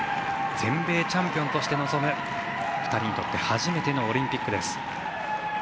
全米チャンピオンとして臨む２人にとって初めてのオリンピックです。